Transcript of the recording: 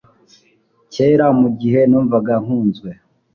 kera mugihe numvaga nkunzwe